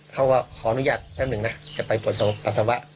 ขออนุญาตแป๊บหนึ่งนะจะไปปวดปัสสาวะ